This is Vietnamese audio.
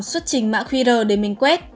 xuất trình mã qr để mình quét